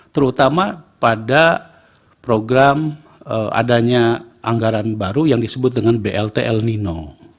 terutama pada program adanya anggaran baru yang disebut dengan blt el nino